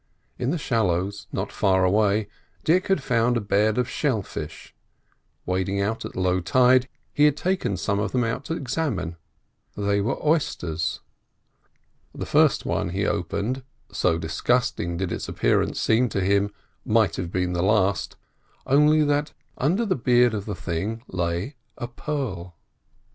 In the shallows not far away, Dick had found a bed of shell fish; wading out at low tide, he had taken some of them out to examine. They were oysters. The first one he opened, so disgusting did its appearance seem to him, might have been the last, only that under the beard of the thing lay a pearl.